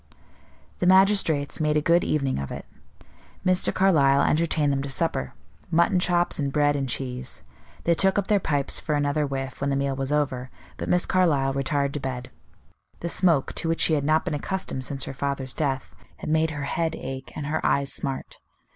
The magistrates made a good evening of it. Mr. Carlyle entertained them to supper mutton chops and bread and cheese. They took up their pipes for another whiff when the meal was over, but Miss Carlyle retired to bed; the smoke, to which she had not been accustomed since her father's death, had made her head ache and her eyes smart.